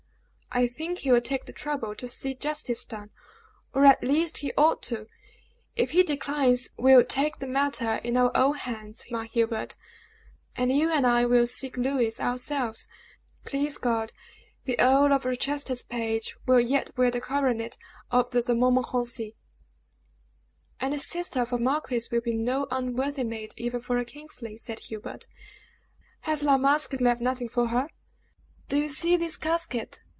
"I think he will take the trouble to see justice done, or at least he ought to. If he declines, we will take the matter in our own hands, my Hubert; and you and I will seek Louis ourselves. Please God, the Earl of Rochester's page will yet wear the coronet of the De Montmorencis!" "And the sister of a marquis will be no unworthy mate even for a Kingsley," said Hubert. "Has La Masque left nothing for her?" "Do you see this casket?"